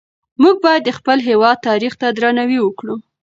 موږ باید د خپل هېواد تاریخ ته درناوی وکړو.